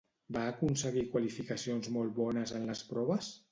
Va aconseguir qualificacions molt bones en les proves?